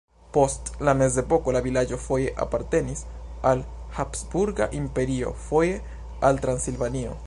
Post la mezepoko la vilaĝo foje apartenis al Habsburga Imperio, foje al Transilvanio.